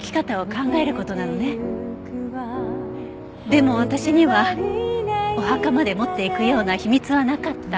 でも私にはお墓まで持っていくような秘密はなかった。